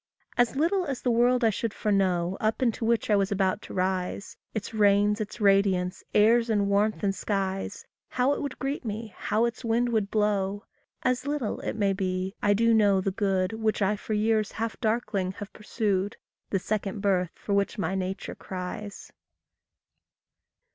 And little as the world I should foreknow Up into which I was about to rise Its rains, its radiance, airs, and warmth, and skies, How it would greet me, how its wind would blow As little, it may be, I do know the good Which I for years half darkling have pursued The second birth for which my nature cries.